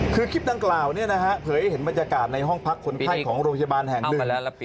คือคลิปดังกล่าวเผยให้เห็นบรรยากาศในห้องพักคนไข้ของโรงพยาบาลแห่งหนึ่ง